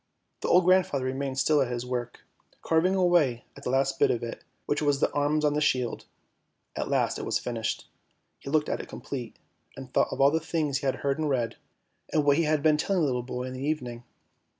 The old grandfather remained sitting at his work, carving away at the last bit of it, which was the arms on the shield. At last it was finished. He looked at it complete, and thought of all the things he had heard and read, and what he had been telling the little boy in the evening.